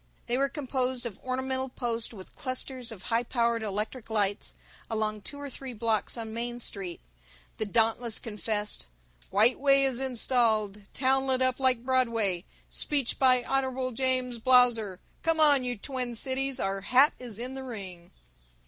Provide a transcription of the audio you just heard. They were composed of ornamented posts with clusters of high powered electric lights along two or three blocks on Main Street. The Dauntless confessed: "White Way Is Installed Town Lit Up Like Broadway Speech by Hon. James Blausser Come On You Twin Cities Our Hat Is In the Ring."